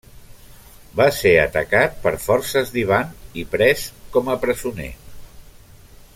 Va ser atacat per forces d'Ivan i pres com a presoner.